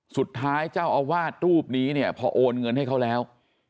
สุดท้ายเจ้าอาวาสรูปนี้เนี่ยพอโอนเงินให้เขาแล้ว